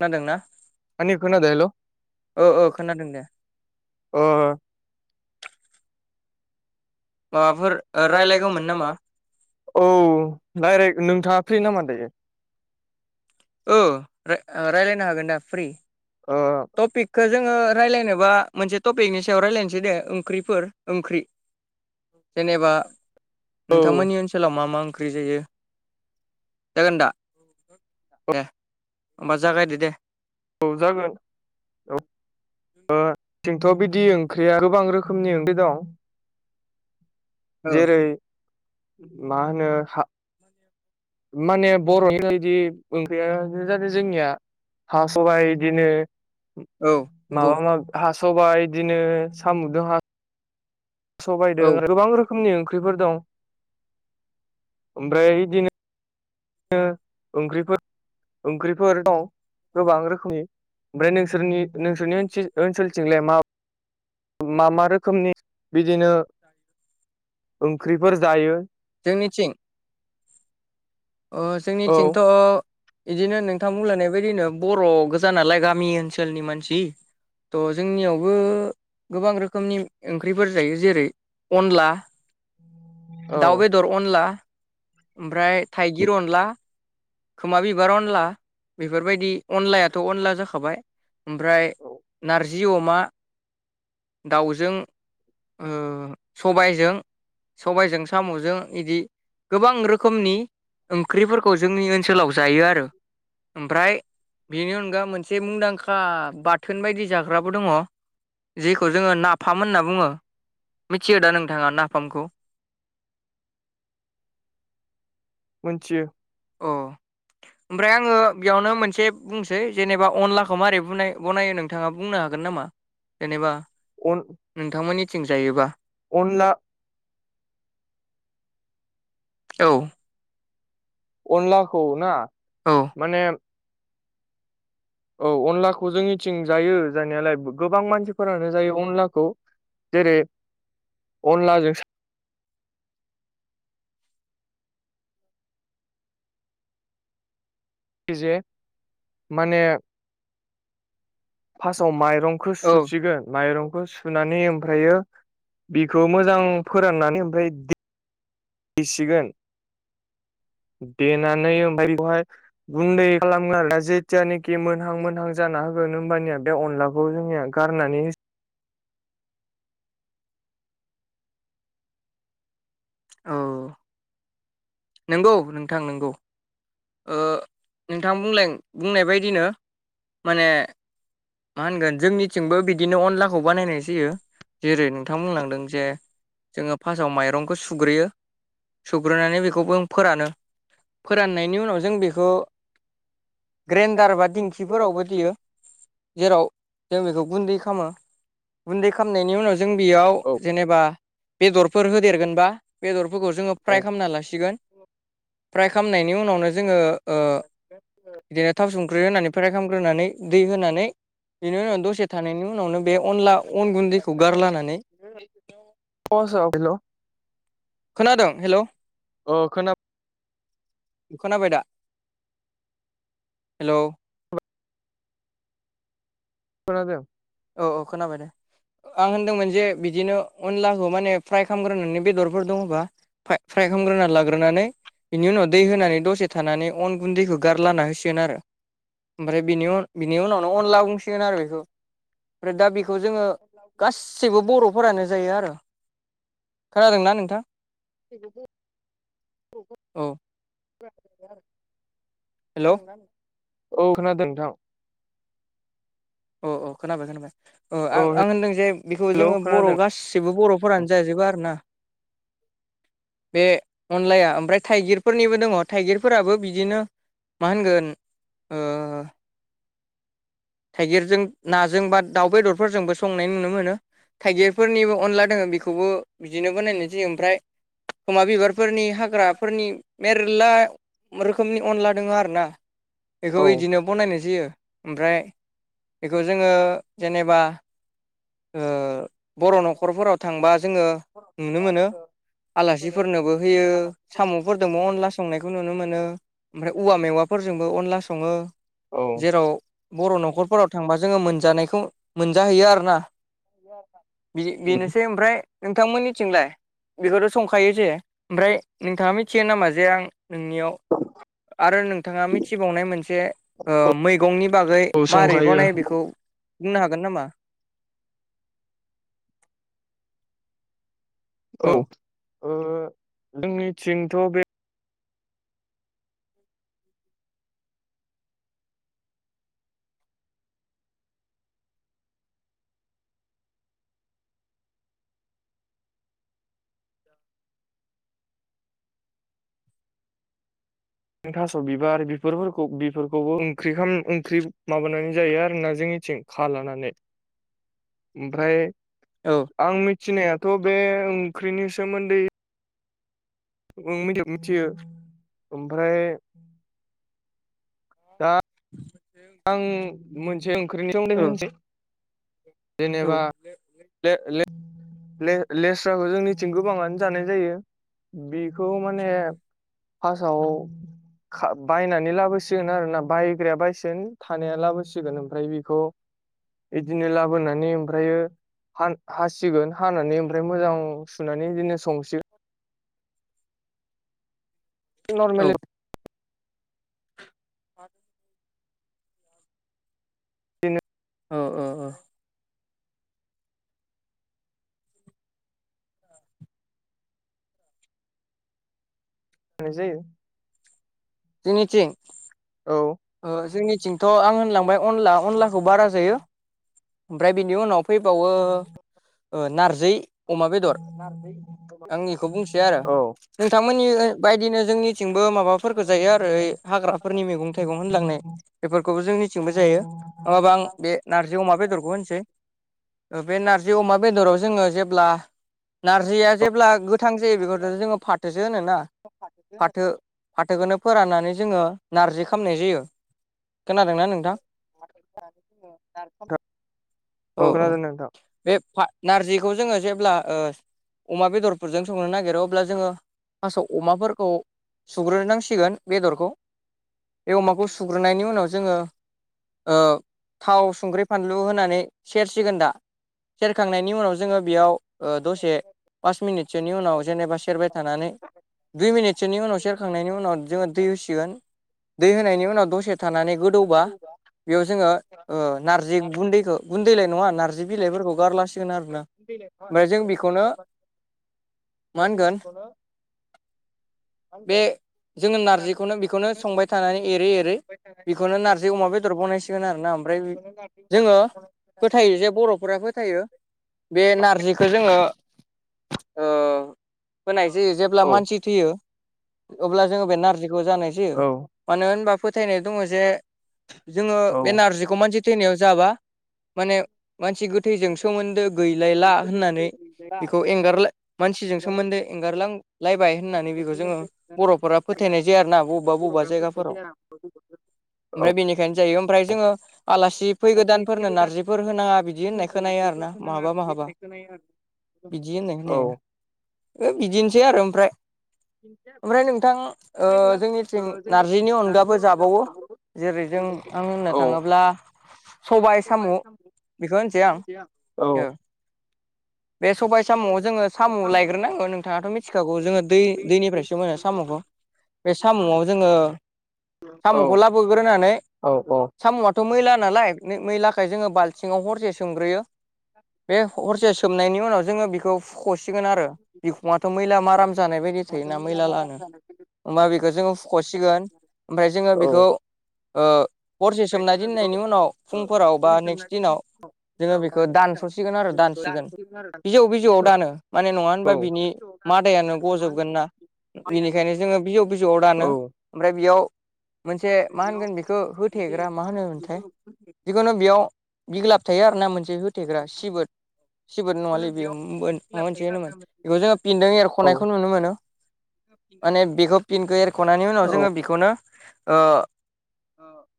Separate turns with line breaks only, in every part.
खोनादोंना?
आंनि
आंनिखौ खोनादों?
हेल' औ
औ-औ खोनादों दे।
अ माबाफोर रायलायगौमोन नामा
ओ
औ डाइरेक्ट नोंथाङा फ्रि नामा दायो?
औ राय-रायलायनो हागोन दा फ्रि।
ओ
तपिकखो जोङो रायज्लायनोबा मोनसे टपिकनि सायाव रायलायनोसै दे ओंख्रिफोर ओंख्रि जेनेबा
औ
नोंथांमोननि ओनसोलाव मा मा ओंख्रि जायो जागोन दा दे होनबा जागायदो दे
औ जागोन औ ओ जोंथ' बिदि ओंख्रिया गोबां रोखोमनि ओंख्रि दं
[inaudible]
जेरै मा होनो [inaudible] हा सबाइ बिदिनो
औ नंगौ
माबा मा हास'बाय बिदिनो साम'जों सबायजों
औ
आरो गोबां रोखोम रोखोमनि ओंख्रिफोर दं ओमफ्राय बिदिनो बिदिनो ओंख्रिफोर ओंख्रिफोर दं गोबां रोखोमनि ओमफ्राय नोंसोरनि नोंसोरनि ओनसोलथिंलाय मा मा मा रोखोमनि बिदिनो ओंख्रिफोर जायो
जोंनिथिं अ
औ
जोंनिथिंथ' बिदिनो नोंथां बुंलांयनाय बायदिनो बर' गोजा नालाय गामि ओनसोलनि मानसि थ' जोंनियावबो गोबां रोखोमनि ओंख्रिफोर जायो जेरै अनला
औ
दाउ बेदर अनला ओमफ्राय थाइगिर अनला खोमा बिबार अनला बेफोरबायदि अनलायाथ' अनला जाखाबाय ओमफ्राय नारजि अमा दाउजों ओ सबायजों सबायजों साम'जों इदि गोबां रोखोमनि ओंख्रिफोरखौ जोंनि ओनसोलाव जायो आरो ओमफ्राय बेनि अनगा मोनसे मुंदांखा बाथोन बायदि जाग्राबो दङ जेखौ जोङो नाफाम होनना बुङो मिथियो दा नोंथाङा नाफामखौ [inaudible]
मोनथियो
अ ओमफ्राय आङो बेयावनो मोनसे बुंसै जेनेबा अनलाखौ मारै बनाय बनायो नोंथाङा बुंनो हागोन हागोन नामा जेनेबा
अन
नोंथांमोननिथिं जायोबा
अनला
औ
अनलाखौ ना
औ
माने औ अनलाखौ जोंनिथिं जायो जानायालाय गोबां मानसिफोरानो जायो अनलाखौ जेरै अनलाजों जे माने फार्स्टआव माइरंखौ
औ
सुसिगोन माइरं खौ सुनानै ओमफ्रायो बिखौ मोजां फोराननानै ओमफ्राय सिगोन
[inaudible]
देनानै ओमफ्राय बेखौहाय गुन्दै खालामो आरो जेथियानखि मोनहां मोनहां जाना होगोन होमबानिया बे अनलाखौ जोंनिया गारनानै
औ नंगौ नोंथां नंगौ नोंथां बुंलाय बुंनाय बायदिनो माने मा होनगोन जोंनिथिंबो बिदिनो अनलाखौ बानायनाय जायो जेरै नोंथां बुंलांदों जे जोङो फार्स्टआव माइरंखौ सुग्रोयो सुग्रोनानै बेखौबो फोरानो। फोराननायनि उनाव जों बेखौ ग्रेन्डार बा दिंखिफोरावबो देयो जेराव जों बेखौ गुन्दै खालामो गुन्दै खालामनायनि उनाव जों बेयाव
औ
जेनेबा बेदरफोर होदेरगोनबा बेदरफोरखौ जोङो
औ
फ्राय खालामना लासिगोन। फ्राय खालामनायनि उनावनो जोङो ओ बिदिनो थाव संख्रि होनानै फ्राय खालामग्रोनानै दै होनानै बेनि उनाव दसे थानायनि उनावनो बे अनला अन गुन्दैखौ गारलानानै
[unintelligible] हेलौ
खोनादों हेलौ
अ' खोनादों।
खोनाबाय दा? हेल'
खोनादों
औ औ खोनाबाय दे। आं होनदोंमोन जे बिदिनो अनलाखौ माने फ्राय खालामग्रोनानै बेदरफोर दङबा फ्राय फ्राय खालामग्रोना लाग्रोनानै बिनि उनाव दै होनानै दसे थानानै अन गुन्दैखौ गारलाना होसिगोन आरो। ओमफ्राय बिनि उनावनो अनला बुंसिगोन आरो बेखौ। ओमफ्राय दा बेखौ जोङो गासिबो बर'फोरानो जायो आरो। खोनादोंना नोंथां?
[unintelligible]
औ हेलौ
औ खोनादों नोंथां।
औ औ खोनाबाय खोनाबाय। ओ
औ
आं -आं होनदों जे बेखौ
हेलौ
जोङो बर'
खोनादों
गासिबो बर'फोरानो जाजोबो आरो ना। बे अनलाया ओमफ्राय थाइगिरफोरनिबो दङ थाइगिरफोराबो बिदिनो मा होनगोन ओ थाइगिरजों नाजों बा दाउ बेदरफोरजोंबो संनाय नुनो मोनो। थाइगिरफोरनिबो अनला दोङो बेखौबो बिदिनो बोनायनाय जायो ओमफ्राय खमा बिबारफोरनि हाग्राफोरनि मेरला रोखोमनि अनला दोङो आरो ना
औ
बेखौ बिदिनो बनायनाय जायो। ओमफ्राय बेखौ जोङो जेनेबा ओ बर' न'खरफोराव थांबा जोङो नुनो मोनो। आलासिफोरनोबो होयो साम'फोरजोंबो अनला संनायखौ नुनो मोनो ओमफ्राय औवा मेवा फोरजोंबो अनला सङो
औ
जेराव बर' न'खर न'खरफोराव थांबा जोङो मोनजानायखौ मोनजाहैयो आरो ना। बेनोसै ओमफ्राय नोंथांमोननिथिंलाय बेखौथ' संखायो जे ओमफ्राय नोंथाङा मिथियो नामा जे आं नोंनियाव आरो नोंथाङा मिथिबावनाय मोनसे ओ मैगंनि बागै
औ
मारै
संखायो
बनायो बेखौ बुंनो हागोन नामा?
औ ओ जोंनिथिंथ' बे थास' बिबार बेफोरखौ बिफोरखौबो ओंख्रि ओंख्रि माबानानै जायो आरो ना जोंनि थिं खा लानानै
[inaudible]
ओमफ्राय
औ
आं मिथिनायाथ' बे ओंख्रिनि सोमोन्दै मिथि मिथियो ओमफ्राय दा आं मोनसे ओंख्रिनि सोमोन्दै
औ
होनसै जेनेबा ले-ले-ले- लेस्राखौ जोंनि थिं गोबाङानो जानाय जायो बेखौ माने फार्स्टआव खा बायनानै लाबोसिगोन आरोना बायग्राया बायसि थानाया लाबोसिगोन ओमफ्राय बेखौ बिदिनो लाबोनानै ओमफ्रायो। हान हासिगोन हानानै ओमफ्राय मोजां सुनानै बिदिनो संसिगोन।
औ
नर्मेल।
[unintelligible]
बिदिनो।
औ-औ-औ।
नाय जायो।
जोंनिथिं?
औ
ओ जोंनिथिंथ' आं होनलांबाय अनला-अनलाखौ बारा जायो ओमफ्राय बिनि उनाव। फैबावो ओ नारजै। अमा बेदर आं इखौ बुंसै आरो
औ
नोंथां। मोननि बायदिनो जोंनिथिंबो माबाफोरखौ जायो आरो हाग्राफोरनि मैगं। लांनाय बेफोरखौबो जोंनिथिंबो जायो नङाबा आं बे नारजि अमा बेदरखौ होनसै। बे नारजि अमा बेदराव जोङो जेब्ला नारजिया जेब्ला गोद। थां जायो बेखौ जोङो फाथोसो होनो ना फाथो-फाथोखौनो फोराननानै। जोङो नारजि खामनाय जायो। खोनादोंना नोंथां
[inaudible]
औ-औ
खोनादों नोंथां।
बे फा नारजिखौ जोङो जेब्ला ओ। अमा बेदरफोरजों संनो नागिरो अब्ला जोङो। फार्सआव अमाफोरखौ सुग्रोनांसिगोन बेदरखौ। बे अमाखौ सुग्रोननायनि उनाव जोङो ओ थाव, संख्रै, फान। लु होनानै सेरसिगोन दा सेरखांनायनि उनाव जोङो बियाव। ओ दसे पास मिनिटसोनि उनाव जेनेबा सेरबाय थानानै। दुइ मिनिटसोनि उनाव सेरखांनायनि उनाव जोङो दै होसिगोन। दै होनायनि उनाव दसे थानानै गोदौबा। बेयाव जोङो ओ नारजि गुन्दैखौ-गुन्दैलाय नङा नारजि बिलाइफोरखौ गारलासि। न आरोना ओमफ्राय जों बेखौनो। मा
ओमफ्राय जों
होनगोन
बेखौनो। मा
बे
होनगोन
जोङो नारजिखौनो बेखौनो संबाय। एरै-एरै
थानानै
बेखौनो
एरै एरै
नारजि अमा बेदर बनायसिगोन आरोना ओमफ्राय।
बेखौनो नारजि अमा
जोङो
बेदर
फोथायो जे बर'फोरा फोथायो। बे नारजिखौ जोङो। ओ होनाय जायो जेब्ला
औ
मानसि थैयो अब्ला जोङो बे नारजिखौ जानाय जायो।
औ
मानो होनबा फोथायनाय दङ जे जोङो बे नारजिखौ मानसि। थैनायाव जाबा माने मानसि गोथैजों सोमोन्दो गैयै‌। लायला होननानै बेखौ एंगारलाय मानसिजों
औ
सोमोन्दो एंगारलां। लायबाय होननानै बेखौ जोङो बर'फोरा फोथायनाय जायो आरोना बबबा-बबबा
बर'फ्रा
जायगा।
[inaudible]
ओमफ्राय बेनिखायनो जायो। ओमफ्राय जोङो आलासि फैगोदानफोरनो नारजिफोर होनाङा बिदि होननाय खोनायो। आरो
बेफोर
ना
होनाङा
माहाबा
बिदि
माहाबा
होननाय खोनायो आरो।
बिदि होननाय
औ
खोनायो ओ बिदिनोसै आरो। ओमफ्राय-ओमफ्राय
ओमफ्राय
नोंथां ओ
नोंथां ओ
जोंनिथिं।
जोंनि
नारजिनि
नानि
अनगाबो जाबावो
थाबावो
जेरै जों आं होननो
औ
थाङोब्ला। सबाय साम' बेखौ होनसै आं औ‌। बे सबाय साम'आव जोङो साम' लायग्रोनांगौ नोंथाङाथ' मिथिखागौ जोङो दै। दैनिफ्रायसो मोनो साम'खौ बे साम'आव जोङो।
औ औ
साम'खौ लाबोग्रोनानै
औ
साम'आथ' मैला। नालाय मैलाखाय जोङो बालथिङाव हरसे सोमग्रोयो। बे हरसे सोमनायनि उनाव जोङो बिखौ हुख'सिगोन आरो बिखुुङाथ' मैला
आरो
माराम जानाय बायदि थायो।
माथो मैला माराम जानाय बादि।
होमबा बेखौ जोङो फुख'सिगोन ओमफ्राय जोङो
औ
बेखौ
ओमफ्राय
ओ हरसे सोमना
जोङो बेखौ
दोननायनि उनाव
ओ
फुंफोराव बा
दै सोमना
नेक्स्ट दिनाव
दोननायनि उनाव
जोङो
हराव बा
बेखौ
नै दिनाव
दानस'सिगोन आरो
जों
दान
बेखौ
सिगोन
रानहोयो आरो
बिजौ बिजौआव दानो माने नङा
औ
होनबा
औ
बिनि
ओमफ्राय
मादायानो गजोबगोन ना बिनिखायनो जोङो बिजौ बिजौआव दानो ओमफ्राय बेयाव मोनसे मा
बेयाव
होनगोन बेखौ
मोनसे
होथेग्रा मा
होनो
होनोमोनथाय
बेखौ
जिखुनु बेयाव बिग्लाब थायो आरोना मोनसे होथेग्रा सिबोद
जिखुनु
सिबोद नङालै बेयो
बेयाव बिलाब
मोनसे
थायो
होनोमोन
आरोना मोनसे
बेखौ जोङो फिन्दों
औ ओ
एरख'नायखौ नुनो मोनो। माने बेखौ फिनखौ एरख' - बेनि उनाव जोङो बेखौनो ओह
ओमफ्राय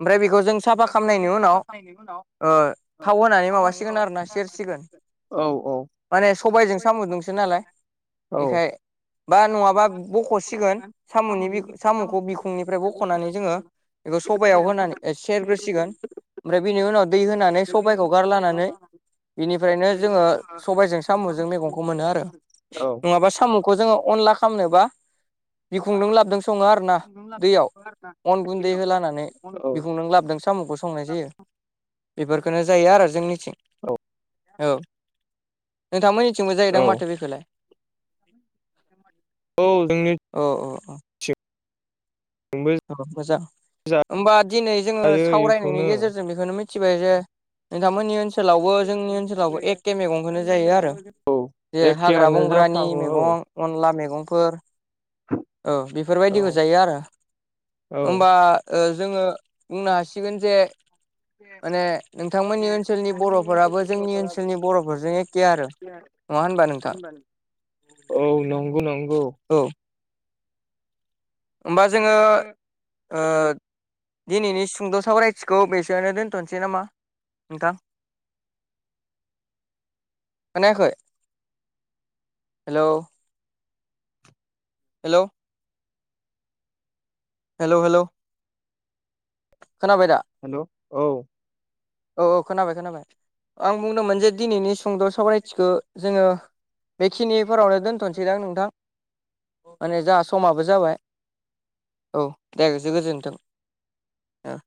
ओमफ्राय- जों साफा
बेखौ
खालामनायनि
जों
उनाव
साफा खालामनायनि उनाव
ओह
ओ
थाव होनानै माबासिगोन आरो ना सेरसिगोन
माबासिगोन आरोना
माने
गोदौगोन
सबायाइजों
औ
सामुजोंसो नालाय
औ
बेखाय बा नङाबा बख'सिगोन सामुनि सामुखौ बिखुंनिफ्राय बख'नानै जोङो बेखौ सबायाव होनानै सेरग्रोसिगोन ओमफ्राय बिनि उनाव दै होनानै
बेनि
सबायखौ
सबाइ बिबार
गारलानानै
लानानै
बेनिफ्रायनो जोङो सबायजों सामुजों मैगंखौ मोनो आरो नङाबा सामुखौ जोङो अनला- - खालामनोबा
औ
बिखुंजों लाबदों सङो आरो ना
खुन्दुं
दैयाव
लाबोजोबो आरोना
अन गुन्दै
दैयाव
होलानानै
औ औ
बिखुंजों लाबदों सामु संनाय जायो। बेफोरखौनो जायो आरो जोंनिथिं औ नोंथांमोननि थिंबो जाहैदां
औ
माथो बेखौलाय।
औ जोंनि [unintelligible]
अ अ अ। औ मोजां होमबा दिनै जोङो
जायो
सावरायनायनि
बेखौनो
गेजेरजों बेखौनो मिथि बायाय [unintelligible] नोंथांमोननि ओनसोलावबो
सावरायनायनि
जोंनि
गेजेरजों
ओनसोलावबो
मिथिबाय
एखे मेगंखौनो
जोंनि
जायो आरो
ओनसोलावबो जों औ
जे हाग्रा
एखेयानो
बंग्रानि
जाफ्रामो औ
मैगं अनला मैगं औ
औ
बेफोरबायदिखौ जायो आरो
औ
ओमबा जोङो बुंनो हासिगोन जे माने नोंथांमोननि ओनसोलनि
नोंथांमोननि
बर'फोराबो
ओनसोलनि
जोंनि
बर'फोरा
ओनसोलनि बर'फोरजों एखे आरो। नङा होनबा नोंथां।
औ नंगौ नंगौ।
औ होमबा जोङो ओह दिनैनि सुंद' सावरायथिखौ बेसेयावनो दोन्थ'नोसै नामा नोंथां। [inaudible] खोनायाखै हेल'? हेल'। हेल' हेल' खोनाबायदा?
हेल' औ
औ औ खोनाबाय खोनाबाय आं बुंदोंमोन जे दिनैनि सुंद' सावरायथिखौ जोङो बेखिनिफोरावनो दोनथ'सैदां नोंथां माने जाहा समाबो जाबाय। औ दाय गोसो गोजोनथों। [unintelligible] [inaudible]